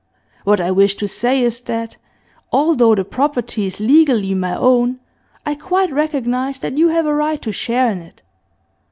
What I wish to say is that, although the property is legally my own, I quite recognise that you have a right to share in it.